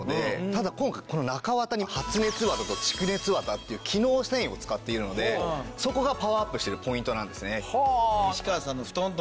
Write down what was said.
ただ今回この中綿に発熱綿と蓄熱綿っていう機能繊維を使っているのでそこがパワーアップしているポイントなんですね。